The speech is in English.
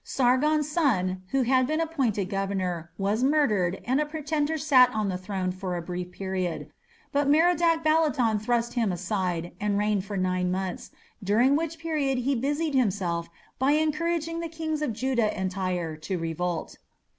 Sargon's son, who had been appointed governor, was murdered and a pretender sat on the throne for a brief period, but Merodach Baladan thrust him aside and reigned for nine months, during which period he busied himself by encouraging the kings of Judah and Tyre to revolt.